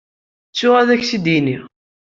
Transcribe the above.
Ttuɣ ad ak-t-id-iniɣ.